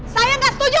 saya enggak setuju